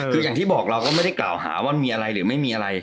คืออย่างที่บอกเราก็ไม่ได้กล่าวหาว่ามีอะไรหรือไม่มีอะไร